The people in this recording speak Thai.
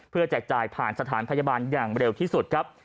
แจกจ่ายผ่านสถานพยาบาลอย่างเร็วที่สุดครับ